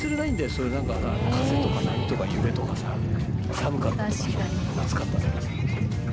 それなんかさ風とか波とか揺れとかさ寒かったとかさ暑かったとかさ。